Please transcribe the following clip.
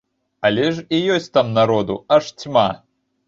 Але ж і ёсць там народу, аж цьма!